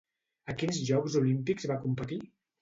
A quins Jocs Olímpics va competir?